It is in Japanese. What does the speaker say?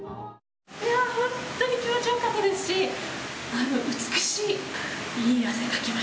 本当に気持ちよかったですし美しい。